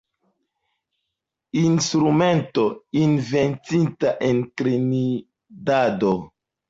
Instrumento inventita en Trinidado.